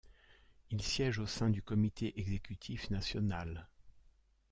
Il siège au sein du comité exécutif national.